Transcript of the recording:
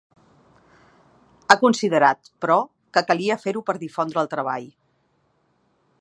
Ha considerat, però, que calia fer-ho per difondre el treball.